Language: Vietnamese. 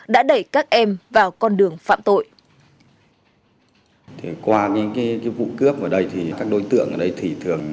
đã đẩy các em vào con đường phạm tội